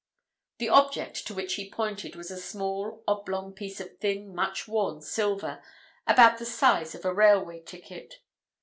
The object to which he pointed was a small, oblong piece of thin, much worn silver, about the size of a railway ticket.